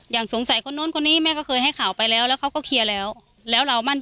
อย่างสงสัยคนนู้นคนนี้แม่ก็เคยให้ข่าวไปแล้วแล้วเขาก็เคลียร์แล้ว